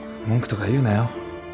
文句とか言うなよ